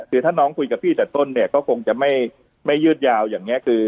คือถ้าน้องคุยกับพี่แต่ต้นเนี่ยก็คงจะไม่ยืดยาวอย่างนี้คือ